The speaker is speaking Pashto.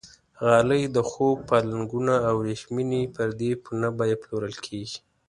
غالۍ، د خوب پالنګونه او وریښمینې پردې په نه بیه پلورل کېږي.